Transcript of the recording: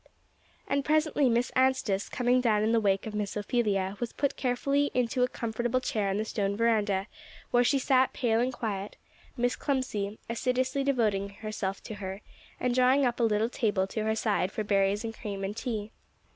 And presently Miss Anstice, coming down in the wake of Miss Ophelia, was put carefully into a comfortable chair on the stone veranda, where she sat pale and quiet, Miss Clemcy assiduously devoting herself to her, and drawing up a little table to her side for her berries and cream and tea.